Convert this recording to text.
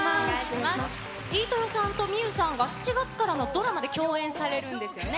飯豊さんと望結さんは７月からのドラマで共演されるんですよね。